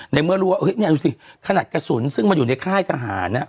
เมื่อรู้ว่าเนี่ยดูสิขนาดกระสุนซึ่งมันอยู่ในค่ายทหาร